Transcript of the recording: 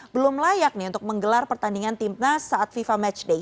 belum layak nih untuk menggelar pertandingan timnas saat fifa matchday